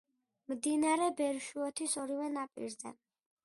მდინარე ბერშუეთის ორივე ნაპირზე.